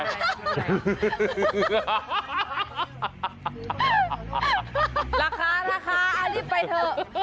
ราคาราคารีบไปเถอะ